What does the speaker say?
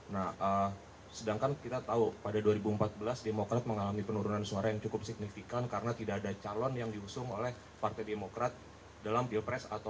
nah sedangkan kita tahu pada dua ribu empat belas demokrat mengalami penurunan suara yang cukup signifikan karena tidak ada calon yang diusung oleh partai demokrat dalam pilpres dua ribu sembilan belas